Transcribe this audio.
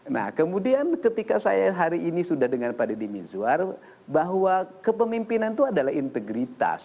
nah kemudian ketika saya hari ini sudah dengan pak deddy mizwar bahwa kepemimpinan itu adalah integritas